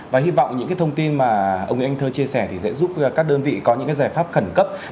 và hy vọng những thông tin mà ông nguyễn anh thơ chia sẻ thì sẽ giúp các đơn vị có những giải pháp khẩn cấp